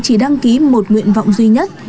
chỉ đăng ký một nguyện vọng duy nhất